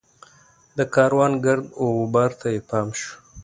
د کاروان ګرد وغبار ته یې پام شو.